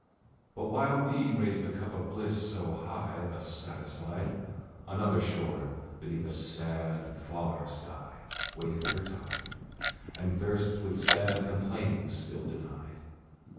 But while we raise the cup of bliss so high, Thus satisfied, Another shore beneath a sad, far sky Waiteth her tide, And thirsts with sad complainings still denied.